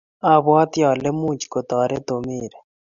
abwatii ale much kutoret Tom Mary.